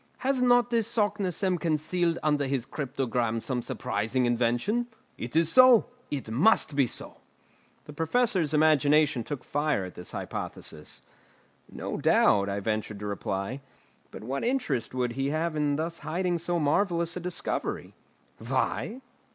Has not this Saknussemm concealed under his cryptogram some surprising invention? It is so; it must be so!" The Professor's imagination took fire at this hypothesis. "No doubt," I ventured to reply, "but what interest would he have in thus hiding so marvellous a discovery?" "Why?